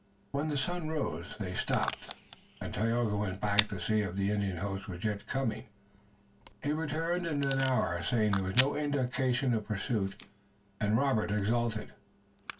When the sun rose they stopped and Tayoga went back to see if the Indian host was yet coming. He returned in an hour saying there was no indication of pursuit, and Robert exulted.